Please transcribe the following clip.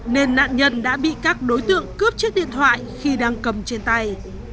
nên nạn nhân đã bị các đối tượng cướp chiếc điện thoại khi đang cầm trên tay